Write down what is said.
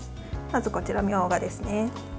まずこちら、みょうがですね。